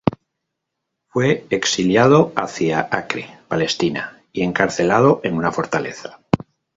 Fue exiliado hacia Acre, Palestina y encarcelado en una fortaleza.